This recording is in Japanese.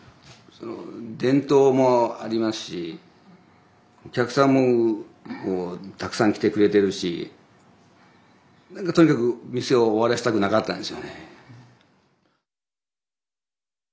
伝統もありますしお客さんもたくさん来てくれてるし何かとにかく店を終わらせたくなかったんですよね。